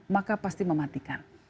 maka pasti mematikan